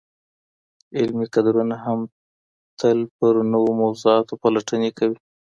علمي کدرونه هم تل پر نویو موضوعاتو پلټني کوي.